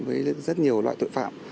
với rất nhiều loại tội phạm